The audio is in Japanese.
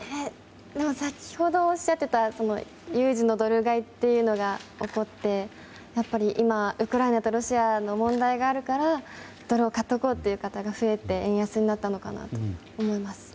先ほどおっしゃってた有事のドル買いが起こってやっぱり、今、ウクライナとロシアの問題があるからドルを買っておこうという方が増えて円安になったのかと思います。